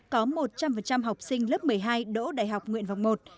có một trăm linh học sinh lớp một mươi hai đỗ đại học nguyện vọng một